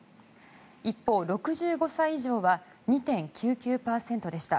一方、６５歳以上は２．９９％でした。